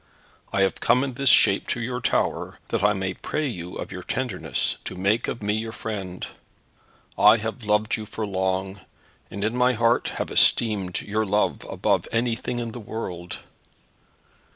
I have come in this shape to your tower that I may pray you of your tenderness to make of me your friend. I have loved you for long, and in my heart have esteemed your love above anything in the world.